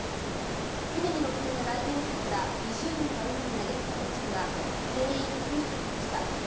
船に乗っていたダイビング客ら２０人が海に投げ出されましたが全員、救助されました。